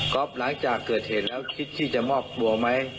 หลังจากเกิดเหตุแล้วคิดที่จะมอบตัวไหม